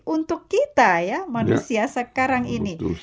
untuk kita ya manusia sekarang ini